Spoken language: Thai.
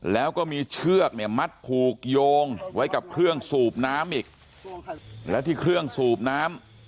แล้วก็มีเชือกเนี่ยมัดผูกโยงไว้กับเครื่องสูบน้ำอีกแล้วที่เครื่องสูบน้ำ